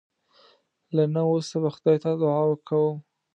له نه وسه به خدای ته دعا کوم.